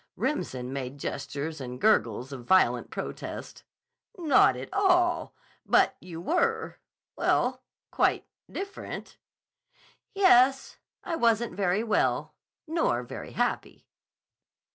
Remsen made gestures and gurgles of violent protest. "Not at all! But you were—well, quite different." "Yes, I wasn't very well. Nor very happy."